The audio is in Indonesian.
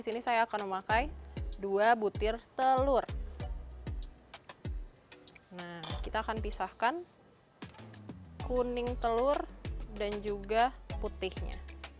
sini saya akan memakai dua butir telur nah kita akan pisahkan kuning telur dan juga putihnya